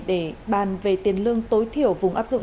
để bàn về tiền lương tối thiểu vùng áp dụng